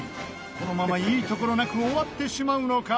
このまま、いいところなく終わってしまうのか？